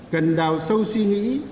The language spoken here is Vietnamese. cần đào sâu suy nghĩ